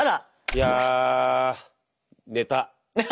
いや寝た。